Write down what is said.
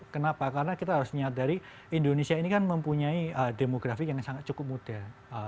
kenapa karena kita harus menyadari indonesia ini kan mempunyai demografik yang sangat cukup muda